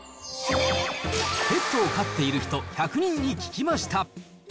ペットを飼っている人１００人に聞きました。